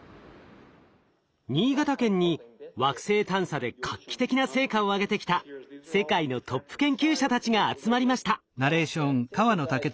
新潟県に惑星探査で画期的な成果を挙げてきた世界のトップ研究者たちが集まりました。